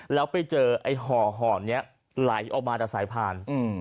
แล้วไปเจอไอ้ห่อนี้ไหลออกมาจากสายพาน